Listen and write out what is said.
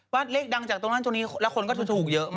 ว่าเลขดังจากตรงนั้นตรงนี้แล้วคนก็ถูกเยอะมาก